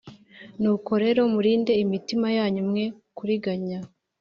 Nuko rero murinde imitima yanyu mwe kuriganya